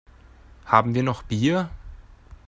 Haben wir noch Bier?